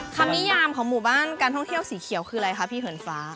นิยามของหมู่บ้านการท่องเที่ยวสีเขียวคืออะไรคะพี่เหินฟ้า